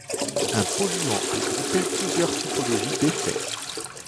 Un polluant peut grouper plusieurs typologies d'effets.